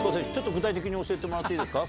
具体的に教えてもらっていいですか？